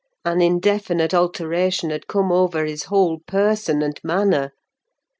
An indefinite alteration had come over his whole person and manner.